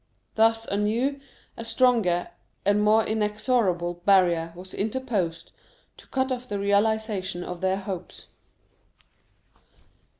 Thus a new, a stronger, and more inexorable barrier was interposed to cut off the realization of their hopes.